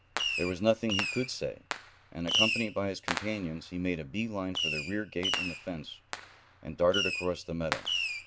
There was nothing he could say, and, accompanied by his companions, he made a bee line for the rear gate in the fence, and darted across the meadow.